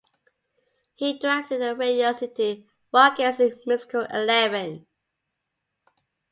He directed the Radio City Rockettes in the musical "Eleven".